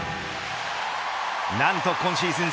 何と今シーズン